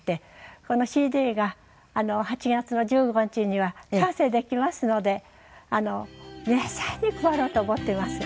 このＣＤが８月の１５日には完成できますので皆さんに配ろうと思っています。